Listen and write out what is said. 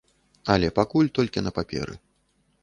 Але пакуль толькі на паперы.